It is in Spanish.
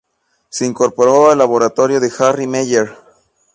Se incorporó al laboratorio de Harry Meyer.